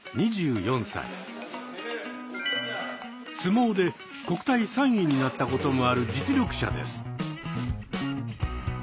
相撲で国体３位になったこともある実力者です。